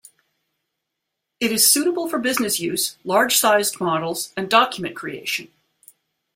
It is suitable for business use, large-sized models, and document creation.